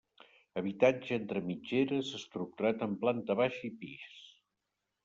Habitatge entre mitgeres estructurat en planta baixa i pis.